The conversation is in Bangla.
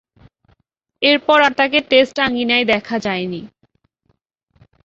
এরপর আর তাকে টেস্ট আঙ্গিনায় দেখা যায়নি।